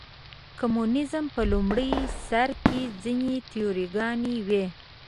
کمونیزم په لومړي سر کې ځینې تیوري ګانې وې.